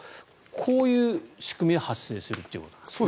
こういう仕組みで発生するということですね。